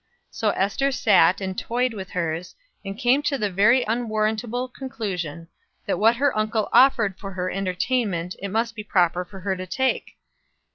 So Ester sat and toyed with hers, and came to the very unwarrantable conclusion that what her uncle offered for her entertainment it must be proper for her to take!